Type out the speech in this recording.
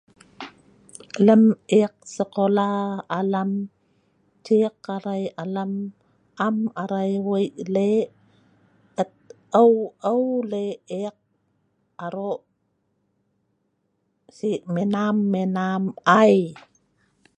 Lem eek sekola alam, ciek arai alam am arai weik lek, et eu eu lek eek arok sik menam-menam ai.